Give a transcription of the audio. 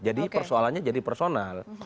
jadi persoalannya jadi personal